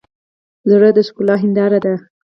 زړه د ښکلا هنداره ده.